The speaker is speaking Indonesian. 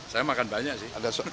saya makan banyak sih